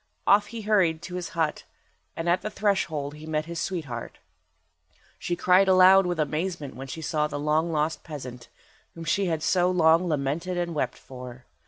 Off he hurried to his hut, and at the threshold he met his sweetheart. She cried aloud with amazement when she saw the long lost peasant, whom she had so long lamented and wept for.